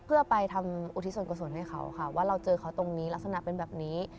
เพื่อไปทำอุทิศส่วนกุศลให้เขาค่ะว่าเราเจอเขาตรงนี้ลักษณะเป็นแบบนี้